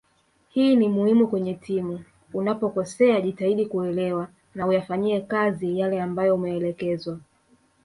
Hii ni muhimu kwenye timu unapokosea jitahidi kuelewa na uyafanyie kazi yale ambayo umeelekezwa